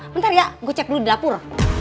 bentar ya gue cek dulu di dapur